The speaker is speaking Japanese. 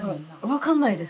分かんないんです。